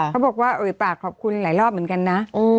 เขาบอกว่าเอ่ยปากขอบคุณหลายรอบเหมือนกันนะ